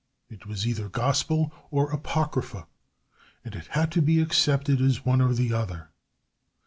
It was either Gospel or Apocrypha, and it had to be accepted as one or the other.